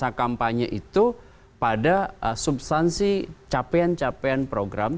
karena kampanye itu pada substansi capaian capaian program